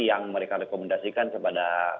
yang mereka rekomendasikan kepada